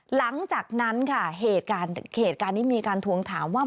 หลังจากนั้นค่ะเหตุการณ์นี้มีการทวงถามว่า